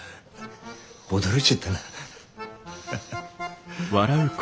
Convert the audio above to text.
驚いちゃったなハハ。